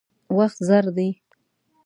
وخت زر دی.